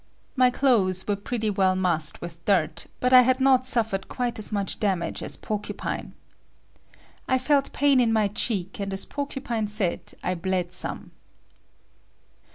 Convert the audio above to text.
My clothes were pretty well massed with dirt, but I had not suffered quite as much damage as Porcupine. I felt pain in my cheek and as Porcupine said, it bled some.